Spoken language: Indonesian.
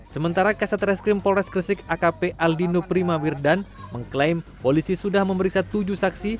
sementara kasat reskrim polres gresik akp aldino prima wirdan mengklaim polisi sudah memeriksa tujuh saksi